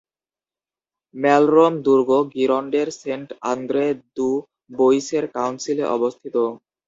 Malromé দুর্গ গিরন্ডের সেন্ট-আন্দ্রে-দু-বোইসের কাউন্সিলে অবস্থিত।